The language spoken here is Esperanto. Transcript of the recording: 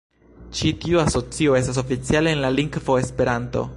Ĉi-tiu asocio estas oficiale en la lingvo "Esperanto".